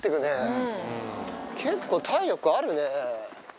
結構体力あるね。